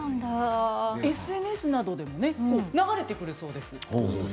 ＳＮＳでも流れてくるそうです。